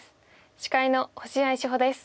司会の星合志保です。